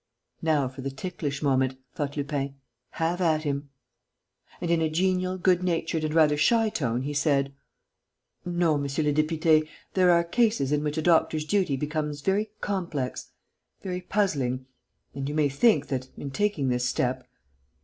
"Now for the ticklish moment," thought Lupin. "Have at him!" And, in a genial, good natured and rather shy tone, he said: "No, monsieur le député, there are cases in which a doctor's duty becomes very complex ... very puzzling.... And you may think that, in taking this step....